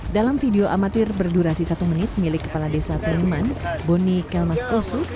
dalam video amatir berdurasi satu menit milik kepala desa taliman boni kelmas koso